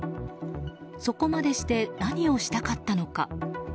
そこまでして何をしたかったのか。